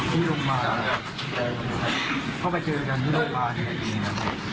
ที่โรงพยาบาลเพราะว่าเจอกันที่โรงพยาบาลเนี่ย